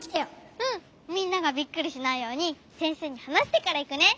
うんみんながびっくりしないようにせんせいにはなしてからいくね。